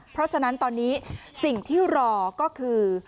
เพราะฉะนั้นตอนนี้สิ่งที่รอก็คือ